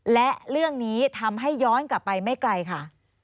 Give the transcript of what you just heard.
และเรื่องนี้ทำให้ย้อนกลับไปไม่ไกลค่ะ